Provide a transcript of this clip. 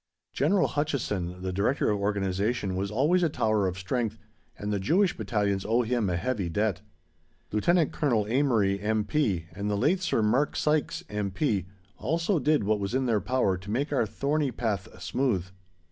General Hutchison, the Director of Organization, was always a tower of strength, and the Jewish Battalions owe him a heavy debt. Lieut. Colonel Amery, M.P., and the late Sir Mark Sykes, M.P., also did what was in their power to make our thorny path smooth.